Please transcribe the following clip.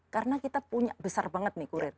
karena kita punya besar banget nih kurir